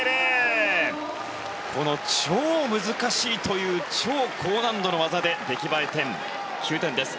この超難しいという超高難度の技で出来栄え点、９点です。